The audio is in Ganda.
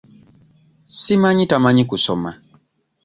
Simanyi tamanyi kusoma?